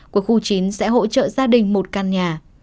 quân khu chín sẽ hỗ trợ gia đình một căn nhà